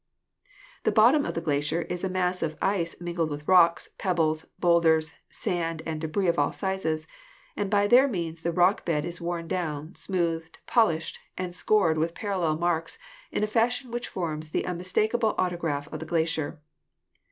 The bottom of the glacier is a mass of ice mingled with rocks, pebbles, boulders, sand and debris of all sizes, and by their means the bed rock is worn down, smoothed, polished and scored with parallel marks in a fashion which forms the unmistakable auto graph of the glacier.